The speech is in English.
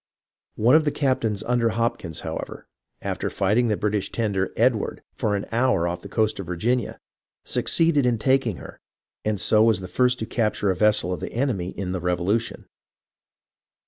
One of the captains under Hopkins, however, after fight ing the British tender, Edivard, for an hour off the coast of Virginia, succeeded in taking her, and so was the first to capture a vessel of the enemy in the Revolution.